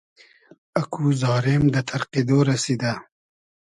اکو زارېم دۂ تئرقیدۉ رئسیدۂ